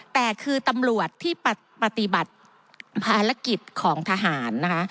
แต่คือตำรวจที่ปฏิบัติภารกิจของทหารนะคะ